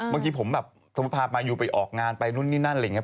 บางทีผมแบบสมถามมายูไปออกงานไปนู่นอะไรอย่างนี้